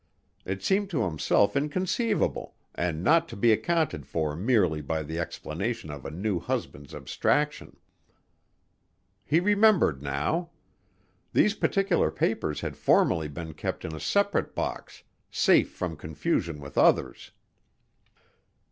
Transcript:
It seemed to himself inconceivable and not to be accounted for merely by the explanation of a new husband's abstraction. He remembered now. These particular papers had formerly been kept in a separate box safe from confusion with others.